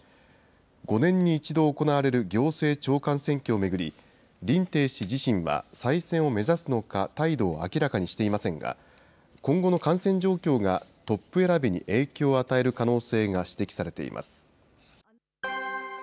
５年に１度行われる行政長官選挙を巡り、林鄭氏自身は再選を目指すのか、態度を明らかにしていませんが、今後の感染状況がトップ選びに影響を与える可能性が指摘されています。